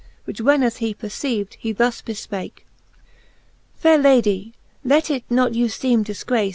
Which when as he perceiv'd, he thus bcfpake j Faire Lady, let it not you feeme difgrace.